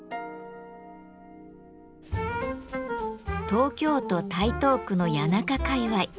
東京都台東区の谷中界わい。